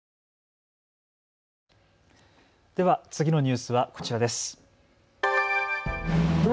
では次のニュースはこちらです。